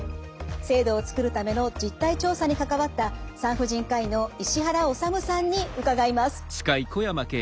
制度を作るための実態調査に関わった産婦人科医の石原理さんに伺います。